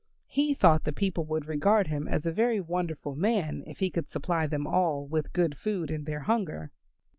He thought the people would regard him as a very wonderful man if he could supply them all with good food in their hunger.